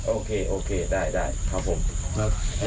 โอเคโอเคได้ได้ขอบคุณครับ